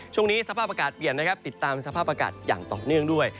ช่วงนี้สภาพอากาศเปลี่ยนนะครับติดตามสภาพอากาศอย่างต่อเนื่องด้วย